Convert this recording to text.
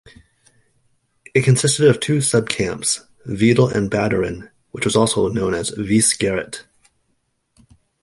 It consisted of two subcamps, "Veidal" and Badderen, which was also known as "Veiskaret".